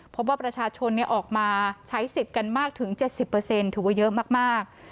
เพราะว่าประชาชนออกมาใช้สิทธิ์กันมากถึง๗๐ถือว่าเยอะมาก